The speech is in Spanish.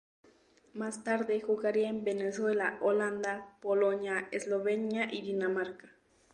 Más tarde, jugaría en Venezuela, Holanda, Polonia, Eslovenia y Dinamarca.